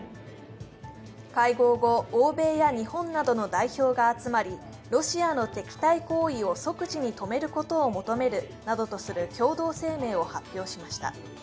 会合後、欧米や日本などの代表が集まりロシアの敵対行為を即時に止めることを求めるなどとする共同声明を発表しました。